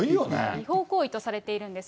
違法行為とされているんです。